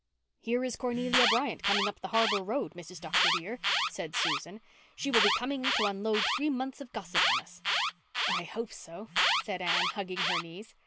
"Here is Cornelia Bryant coming up the harbour road, Mrs. Dr. dear," said Susan. "She will be coming up to unload three months' gossip on us." "I hope so," said Anne, hugging her knees.